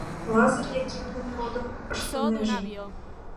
Лазыр Яким дене родым ыштынеже.